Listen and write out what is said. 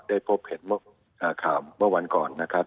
ได้พบเห็นเมื่อข่าวเมื่อวันก่อนนะครับ